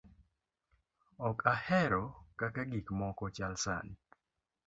ok ahero kaka gik moko chal sani'